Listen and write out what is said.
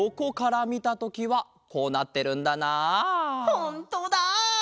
ほんとだ！